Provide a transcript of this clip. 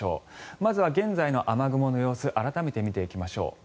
まずは現在の雨雲の様子改めて見ていきましょう。